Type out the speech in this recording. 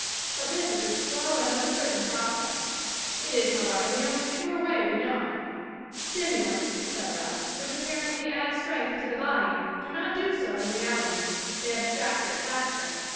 But this is a slow and uncertain process. It is, however, the only sure way we know. Stimulants, etc., which apparently add strength to the body, do not do so in reality; they abstract it faster.